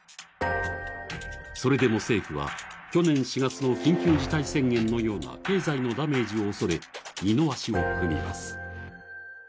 それでも政府は去年４月の緊急事態宣言のような経済のダメージを恐れ、二の足を踏みます。